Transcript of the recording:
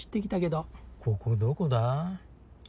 ここどこだ？